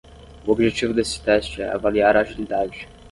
O objetivo deste teste é avaliar a agilidade.